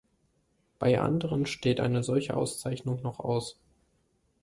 Bei anderen steht eine solche Auszeichnung noch aus.